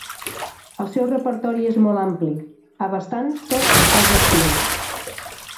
El seu repertori és molt ampli, abastant tots els estils.